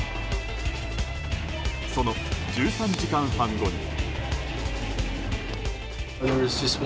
その１３時間半後に。